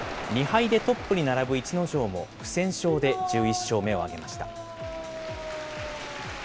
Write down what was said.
２敗でトップに並ぶ逸ノ城も、不戦勝で１１勝目を挙げました。